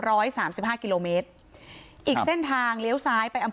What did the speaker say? ร้อยสามสิบห้ากิโลเมตรอีกเส้นทางเลี้ยวซ้ายไปเอา